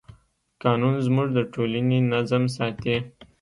قانون زموږ د ټولنې نظم ساتي.